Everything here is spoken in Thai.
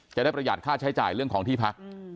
ประหยัดค่าใช้จ่ายเรื่องของที่พัก